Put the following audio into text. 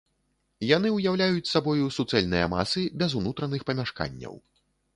Яны ўяўляюць сабою суцэльныя масы без унутраных памяшканняў.